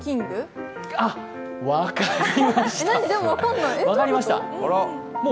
あっ、分かりました。